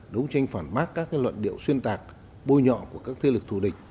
đấu tranh phản bác các luận điệu xuyên tạc bôi nhọ của các thế lực thù địch